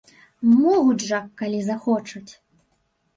Могуць жа, калі захочуць!